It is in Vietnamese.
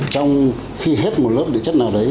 trong khi hết một lớp địa chất nào đấy